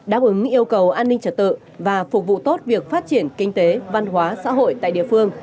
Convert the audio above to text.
đáp ứng yêu cầu an ninh trật tự và phục vụ tốt việc phát triển kinh tế văn hóa xã hội tại địa phương